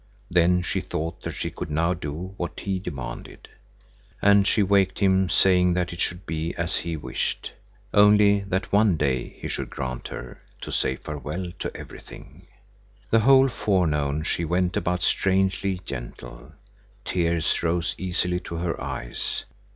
Then she thought that she could now do what he demanded. And she waked him, saying that it should be as he wished. Only that one day he should grant her to say farewell to everything. The whole forenoon she went about strangely gentle. Tears rose easily to her eyes.